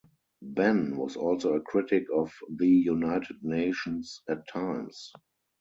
Benn was also a critic of the United Nations at times.